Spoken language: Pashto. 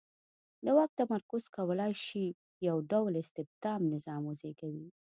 د واک تمرکز کولای شي یو ډ ول استبدادي نظام وزېږوي.